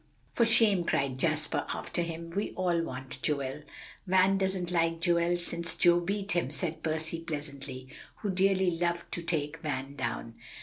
"For shame!" cried Jasper after him; "we all want Joel." "Van doesn't like Joel since Joe beat him," said Percy pleasantly, who dearly loved to take Van down.